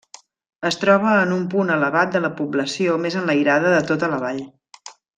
Es troba en un punt elevat de la població més enlairada de tota la Vall.